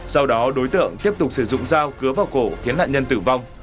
sau đó đối tượng tiếp tục sử dụng dao cứa vào cổ khiến nạn nhân tử vong